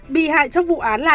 bị hại trong vụ án là